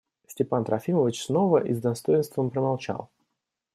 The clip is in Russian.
Степан Трофимович снова и с достоинством промолчал.